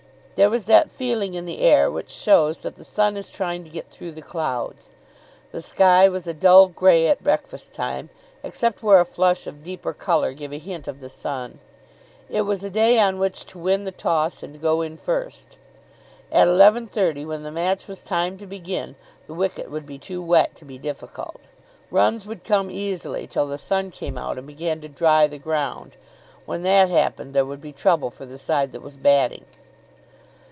There was that feeling in the air which shows that the sun is trying to get through the clouds. The sky was a dull grey at breakfast time, except where a flush of deeper colour gave a hint of the sun. It was a day on which to win the toss, and go in first. At eleven thirty, when the match was timed to begin, the wicket would be too wet to be difficult. Runs would come easily till the sun came out and began to dry the ground. When that happened there would be trouble for the side that was batting.